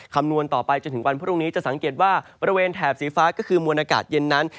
คำนวณต่อไปจนถึงวันพรุ่งนี้จะสังเกตว่าบริเวณแถบสีฟ้าก็คือมวลอากาศเย็นนั้น